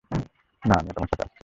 না, আমিও তোমার সাথে আসছি।